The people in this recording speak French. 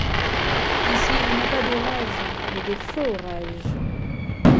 Ici, on n’a pas d’orages mais des forages.